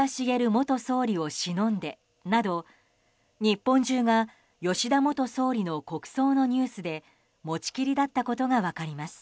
元総理をしのんでなど日本中が吉田元総理の国葬のニュースで持ちきりだったことが分かります。